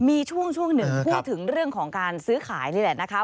มีช่วงหนึ่งพูดถึงเรื่องของการซื้อขายนี่แหละนะคะ